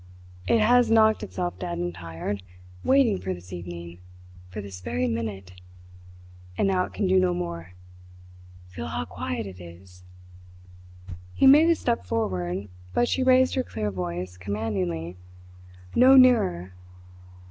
It has knocked itself dead and tired, waiting for this evening, for this very minute. And now it can do no more. Feel how quiet it is!" He made a step forward, but she raised her clear voice commandingly: "No nearer!"